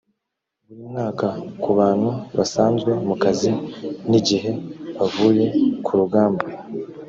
buri mwaka ku bantu basanzwe mu kazi n igihe bavuye kurugamba